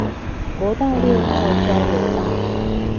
國道六號交流道